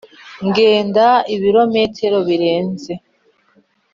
genda ibirometero birenze